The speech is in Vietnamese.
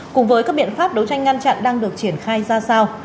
cùng với các biện pháp đấu tranh ngăn chặn đang được triển khai ra sao